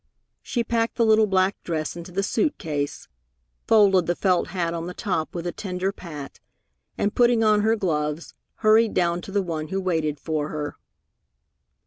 She packed the little black dress into the suit case, folded the felt hat on the top with a tender pat, and, putting on her gloves, hurried down to the one who waited for her.